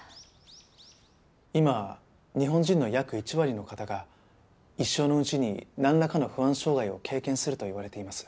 今日本人の約１割の方が一生のうちになんらかの不安障害を経験するといわれています。